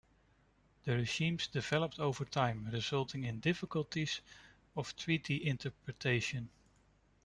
The regimes developed over time, resulting in difficulties of treaty-interpretation.